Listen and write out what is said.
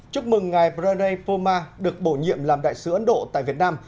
chúc mừng ngày pranay verma được bổ nhiệm làm đại sứ ấn độ tại việt nam